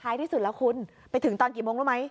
ที่สุดแล้วคุณไปถึงตอนกี่โมงรู้ไหม